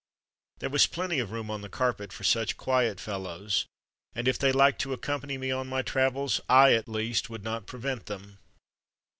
There was plenty of room on the carpet for such quiet fellows, and if they liked to accompany me on my travels I, at least, would not prevent them.